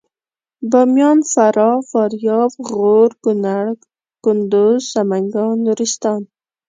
باميان فراه فاریاب غور کنړ کندوز سمنګان نورستان